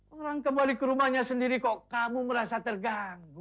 orang kembali ke rumahnya sendiri kok kamu merasa terganggu